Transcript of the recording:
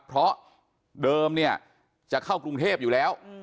เพราะเดิมเนี่ยจะเข้ากรุงเทพอยู่แล้ว